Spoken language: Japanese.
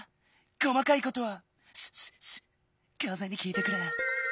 こまかいことはシュッシュッシュかぜにきいてくれ。